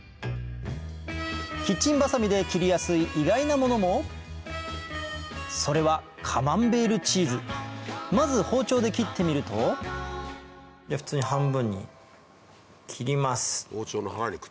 キッチンバサミで切りやすい意外なものもそれはまず包丁で切ってみるとじゃあ普通に半分に切ります。